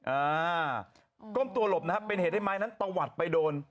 อ่าก้มตัวหลบนะครับเป็นเหตุให้ไม้นั้นตะวัดไปโดน